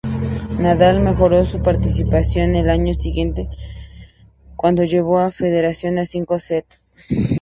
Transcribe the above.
Nadal mejoró su participación el año siguiente, cuando llevó a Federer a cinco sets.